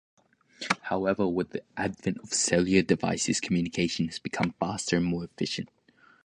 However, with the advent of cellular devices, communication has become faster and more efficient.